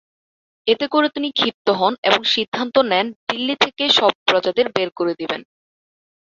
এতে করে তিনি ক্ষিপ্ত হন এবং সিদ্ধান্ত নেন দিল্লি থেকে সব প্রজাদের বের করে দিবেন।